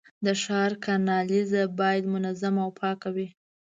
د ښار کانالیزه باید منظمه او پاکه وي.